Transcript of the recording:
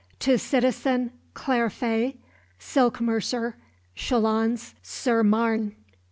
"To Citizen Clairfait, Silk mercer, "Chalons sur Marne."